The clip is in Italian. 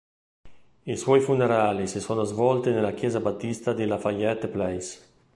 I suoi funerali si sono svolti nella chiesa battista di Lafayette Place.